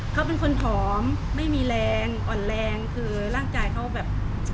เขาเป็นคนผอมไม่มีแรงอ่อนแรงคือร่างกายเขาแบบ